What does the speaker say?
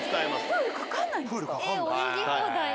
プールかかんないんですか。